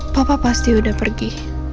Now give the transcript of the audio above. papa pasti udah pergi